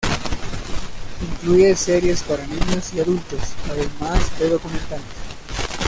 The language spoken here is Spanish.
Incluye series para niños y adultos, además de documentales.